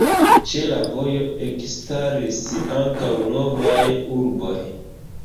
Ĉe la vojo ekstaris ankaŭ novaj urboj.